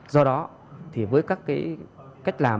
do đó thì với các cái cách làm